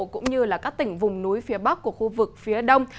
cũng như các tỉnh vùng núi phía bắc của khu vực phía đông